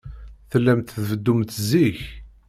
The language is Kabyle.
Tellamt tbeddumt zik.